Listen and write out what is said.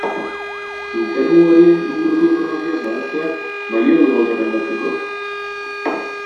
Infernu horien inguruko informazioa zabaltzeak balio du gauzak aldatzeko?